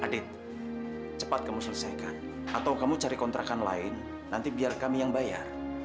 adit cepat kamu selesaikan atau kamu cari kontrakan lain nanti biar kami yang bayar